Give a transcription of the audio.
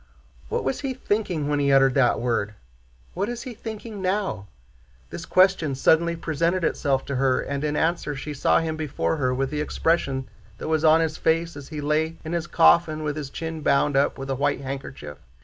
"What was he thinking when he uttered that word? What is he thinking now?" This question suddenly presented itself to her, and in answer she saw him before her with the expression that was on his face as he lay in his coffin with his chin bound up with a white handkerchief.